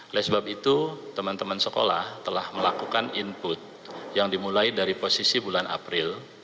oleh sebab itu teman teman sekolah telah melakukan input yang dimulai dari posisi bulan april